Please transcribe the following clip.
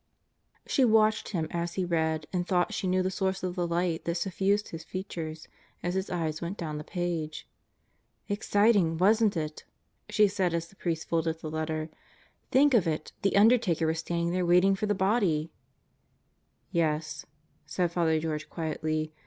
She watched him as he read and thought she knew the source of the light that suffused his features as his eyes went down the page. "Exciting, wasn't it?" she said as the priest folded the letter. "Think of it: the undertaker was standing there waiting for the body I" "Yes," said Father George quietly.